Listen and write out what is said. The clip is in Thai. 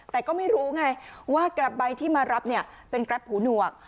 แต่ก็ไม่รู้ไงว่ากรับใบที่มารับเนี่ยเอาเป็นกรับหูหน่วง